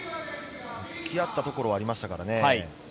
突き合ったところありましたからね。